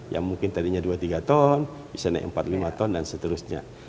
yang mungkin tadinya dua tiga ton bisa naik empat lima ton dan seterusnya